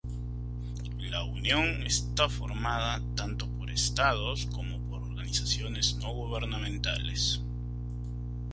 La Unión está formada tanto por Estados como por organizaciones no gubernamentales.